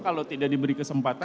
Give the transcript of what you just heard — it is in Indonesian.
kalau tidak diberi kesempatan